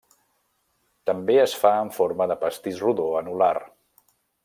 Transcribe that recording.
També es fa en forma de pastís rodó anul·lar.